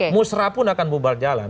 musrah pun akan bubar jalan